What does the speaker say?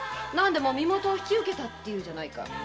身元を引き受けたっていうじゃないか？